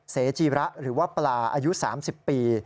เสจีระหรือว่าปลาอายุ๓๐ปี